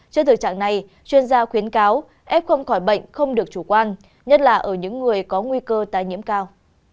trên thời trạng này chuyên gia khuyến cáo ép không khỏi bệnh không được chủ quan nhất là ở những người có nguy cơ tái nhiễm cao